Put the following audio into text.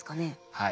はい。